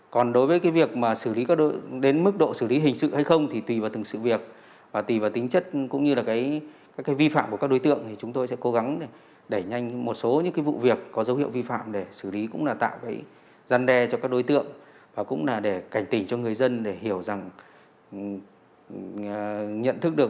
còn đối với cái việc mà xử lý đến mức độ xử lý hình sự hay không thì tùy vào từng sự việc và tùy vào tính chất cũng như là cái vi phạm của các đối tượng thì chúng tôi sẽ cố gắng để đẩy nhanh một số những cái vụ việc có dấu hiệu vi phạm để xử lý cũng là tạo cái gian đe cho các đối tượng và cũng là để cảnh tình cho người dân để hiểu rằng nhận thức được